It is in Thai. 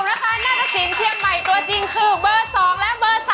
สรุปนะคะหน้าตะสินเที่ยงใหม่ตัวจริงคือเบอร์๒และเบอร์๓ค่ะ